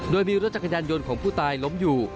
โดยมีรถจักรยานยนต์ของผู้ตายล้มอยู่